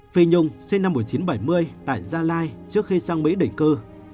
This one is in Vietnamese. phi nhung sinh năm một nghìn chín trăm bảy mươi tại gia lai trước khi sang mỹ đỉnh cư